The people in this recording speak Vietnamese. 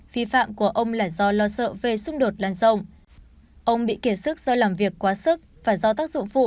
phi phạm của ông là do lo sợ về xung đột lan rộng ông bị kiệt sức do làm việc quá sức phải do tác dụng phụ